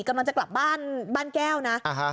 กำลังจะกลับบ้านบ้านแก้วนะ